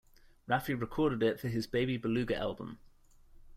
Raffi recorded it for his "Baby Beluga" album.